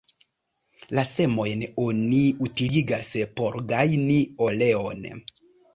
La semojn oni utiligas por gajni oleon.